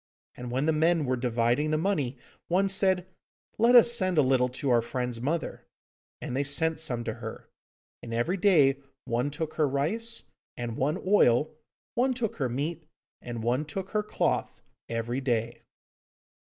And when the men were dividing the money, one said, 'Let us send a little to our friend's mother,' and they sent some to her; and every day one took her rice, and one oil; one took her meat, and one took her cloth, every day.